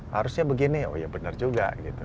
harusnya begini oh ya benar juga gitu